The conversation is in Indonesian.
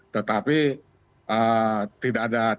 tetapi tidak ada apa apa